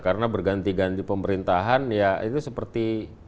karena berganti ganti pemerintahan ya itu seperti